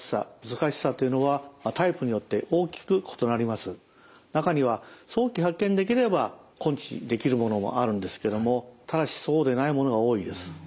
悪性脳腫瘍というのは中には早期発見できれば根治できるものもあるんですけどもただしそうでないものが多いです。